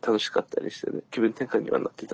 気分転換にはなってたんで。